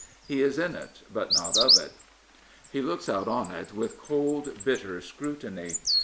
He is in it, but not of it. He looks out on it with cold, bitter scrutiny.